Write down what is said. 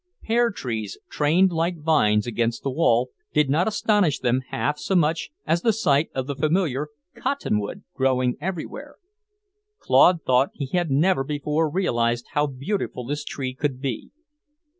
Pear trees, trained like vines against the wall, did not astonish them half so much as the sight of the familiar cottonwood, growing everywhere. Claude thought he had never before realized how beautiful this tree could be.